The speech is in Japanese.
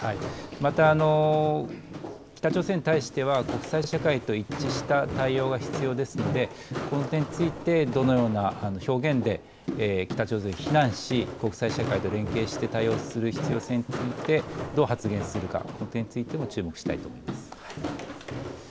また、北朝鮮に対しては、国際社会と一致した対応が必要ですので、この点について、どのような表現で北朝鮮を非難し、国際社会と連携して対応する必要性についてどう発言するか、この点についても注目したいと思います。